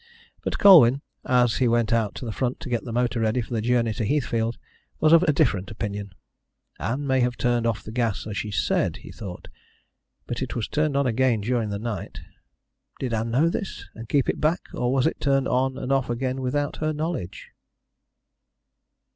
But Colwyn, as he went out to the front to get the motor ready for the journey to Heathfield, was of a different opinion. "Ann may have turned off the gas as she said," he thought, "but it was turned on again during the night. Did Ann know this, and keep it back, or was it turned on and off again without her knowledge?"